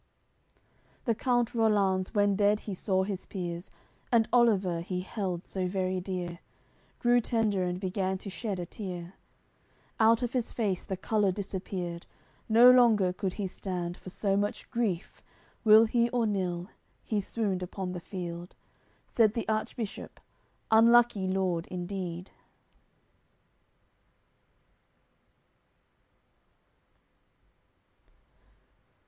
CLXIV The count Rollanz, when dead he saw his peers, And Oliver, he held so very dear, Grew tender, and began to shed a tear; Out of his face the colour disappeared; No longer could he stand, for so much grief, Will he or nill, he swooned upon the field. Said the Archbishop: "Unlucky lord, indeed!"